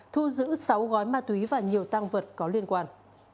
thu giữ sáu gói ma túy và nhiều tăng vật có liên quan